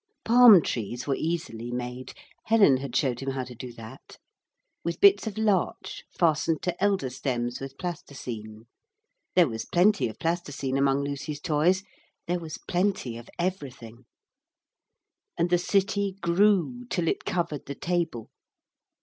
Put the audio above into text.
Palm trees were easily made Helen had shown him how to do that with bits of larch fastened to elder stems with plasticine. There was plenty of plasticine among Lucy's toys; there was plenty of everything. And the city grew, till it covered the table.